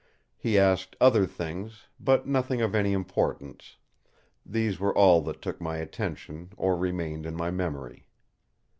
He asked other things, but nothing of any importance; these were all that took my attention, or remained in my memory.